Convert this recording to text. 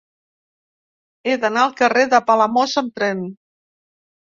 He d'anar al carrer de Palamós amb tren.